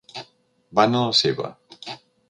Van a la seva.